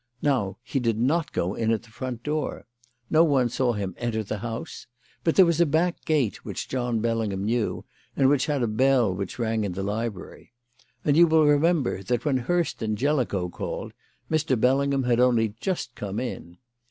Now, he did not go in at the front door. No one saw him enter the house. But there was a back gate, which John Bellingham knew, and which had a bell which rang in the library. And you will remember that, when Hurst and Jellicoe called, Mr. Bellingham had only just come in.